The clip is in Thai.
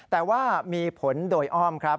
แต่ว่ามีผลโดยอ้อมครับ